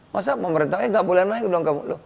masa pemerintahnya nggak boleh naik dong